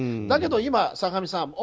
だけど坂上さん